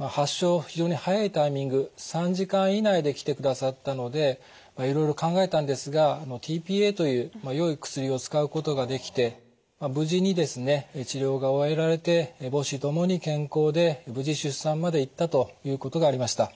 発症非常に早いタイミング３時間以内で来てくださったのでいろいろ考えたんですがｔーＰＡというよい薬を使うことができて無事にですね治療が終えられて母子ともに健康で無事出産まで行ったということがありました。